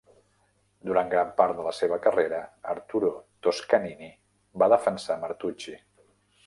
Durant gran part de la seva carrera, Arturo Toscanini va defensar Martucci.